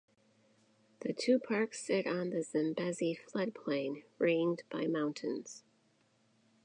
The two parks sit on the Zambezi flood plain ringed by mountains.